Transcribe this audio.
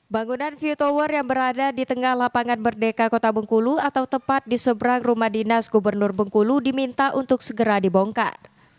bangunan view tower yang berada di tengah lapangan merdeka kota bengkulu atau tepat di seberang rumah dinas gubernur bengkulu diminta untuk segera dibongkar